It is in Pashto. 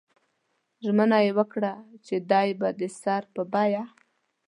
ژمنه یې وکړه چې دی به د سر په بیه.